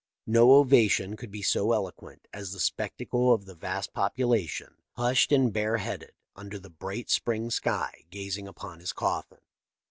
No ovation could be so eloquent as the spectacle of the vast population, hushed and bareheaded under the bright spring sky, gazing upon his cofifin.